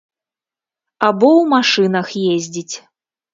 Або ў машынах ездзіць.